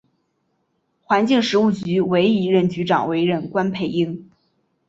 环境食物局唯一一任局长为任关佩英。